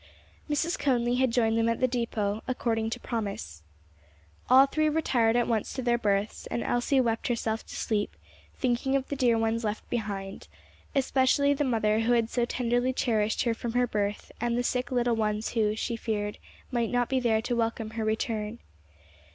Mrs. Conly had joined them at the depôt, according to promise. All three retired at once to their berths, and Elsie wept herself to sleep, thinking of the dear ones left behind; especially the mother who had so tenderly cherished her from her birth and the sick little ones who, she feared, might not be there to welcome her return.